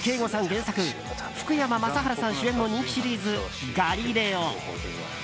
原作福山雅治さん主演の人気シリーズ「ガリレオ」。